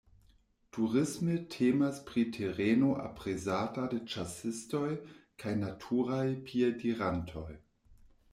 Turisme temas pri tereno aprezata de ĉasistoj kaj naturaj piedirantoj.